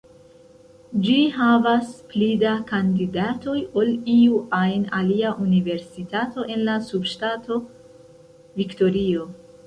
Ĝi havas pli da kandidatoj ol iu ajn alia universitato en la subŝtato Viktorio.